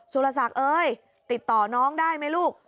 สุรศักดิ์เอ้ยติดต่อน้องได้ไหมลูก